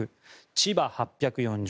千葉８４０